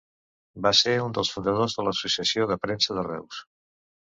Va ser un dels fundadors de l'Associació de la Premsa de Reus.